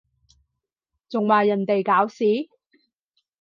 仲話人哋搞事？